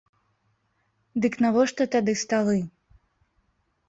Дык навошта тады сталы?